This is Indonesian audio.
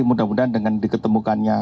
mudah mudahan dengan diketemukannya